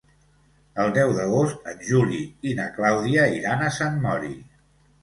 El deu d'agost en Juli i na Clàudia iran a Sant Mori.